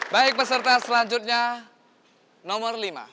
baik peserta selanjutnya nomor lima